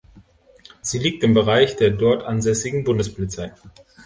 Sie liegt im Bereich der dort ansässigen Bundespolizei.